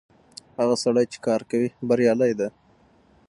هغه سړی چې کار کوي بريالی دی.